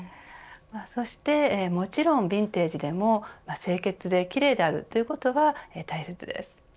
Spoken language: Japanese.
そしてもちろんヴィンテージでも清潔で奇麗であるということは大切です。